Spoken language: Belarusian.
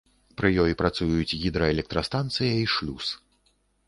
Пры ёй працуюць гідраэлектрастанцыя і шлюз.